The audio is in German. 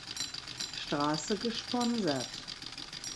Straße gesponsert.